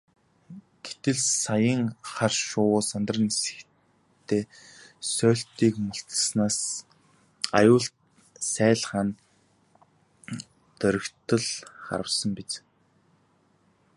Гэтэл саяын хар шувуу сандран нисэхдээ сойлтыг мулталснаас аюулт сааль хана доргитол харвасан биз.